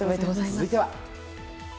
続いては。